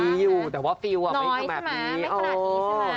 มีอยู่แต่ว่าฟิลล์อ่ะน้อยใช่ไหมไม่ขนาดนี้ใช่ไหม